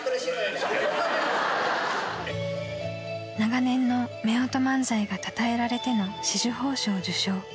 ［長年のめおと漫才がたたえられての紫綬褒章受章］